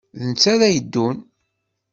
D netta ara yeddun.